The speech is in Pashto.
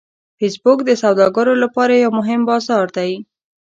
فېسبوک د سوداګرو لپاره یو مهم بازار دی